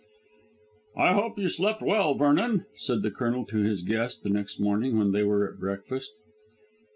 "I hope you slept well, Vernon," said the Colonel to his guest the next morning when they were at breakfast.